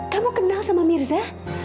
kamu kenal sama mirza